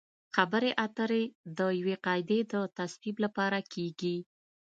خبرې اترې د یوې قاعدې د تصویب لپاره کیږي